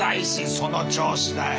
その調子だよ！